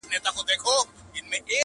ډېر بېحده ورته ګران وو نازولی -